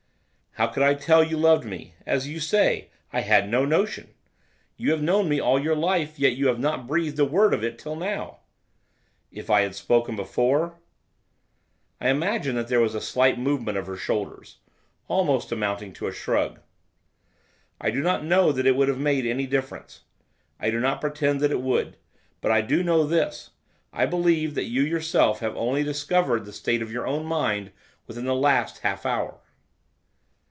'How could I tell you loved me, as you say! I had no notion. You have known me all your life, yet you have not breathed a word of it till now.' 'If I had spoken before?' I imagine that there was a slight movement of her shoulders, almost amounting to a shrug. 'I do not know that it would have made any difference. I do not pretend that it would. But I do know this, I believe that you yourself have only discovered the state of your own mind within the last half hour.